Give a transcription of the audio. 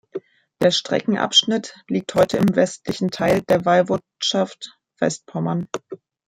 Der Streckenabschnitt liegt heute im westlichen Teil der Woiwodschaft Westpommern.